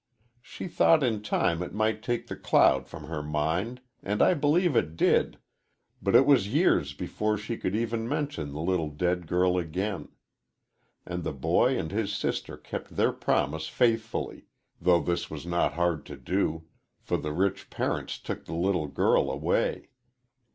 She thought in time it might take the cloud from her mind, and I believe it did, but it was years before she could even mention the little dead girl again. And the boy and his sister kept their promise faithfully, though this was not hard to do, for the rich parents took the little girl away.